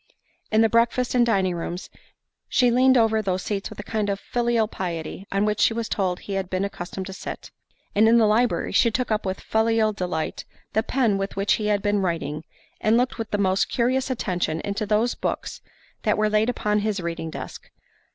In the breakfast and dining rooms, she leaned over those seats with a kind of filial piety, on which she was told he had been accustomed to sit. And, in the library, she took up with filial delight, the pen with which he had been writing; and looked with the most curious attention into those books that were laid upon his reading desk.